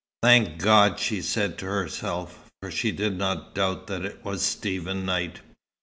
"Thank God!" she said to herself. For she did not doubt that it was Stephen Knight.